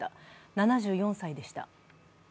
７４歳でした。